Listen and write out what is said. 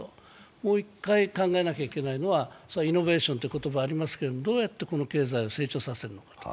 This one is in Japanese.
もう一回考えなきゃいけないのはイノベーションという言葉がありますけどどうやってこの経済を成長させるのか。